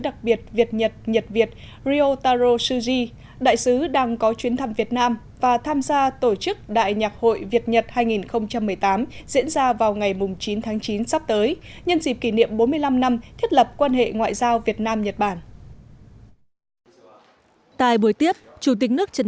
chào tạm biệt